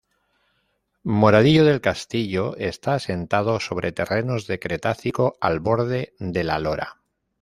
Moradillo del Castillo está asentado sobre terrenos del Cretácico al borde de La Lora.